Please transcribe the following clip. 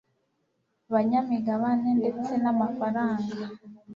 banyamigabane ndetse n amafaranga